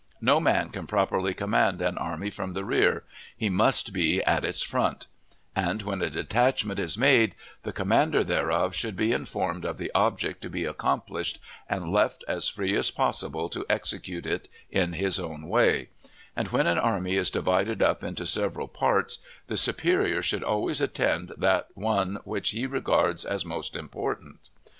No man can properly command an army from the rear, he must be "at its front;" and when a detachment is made, the commander thereof should be informed of the object to be accomplished, and left as free as possible to execute it in his own way; and when an army is divided up into several parts, the superior should always attend that one which he regards as most important.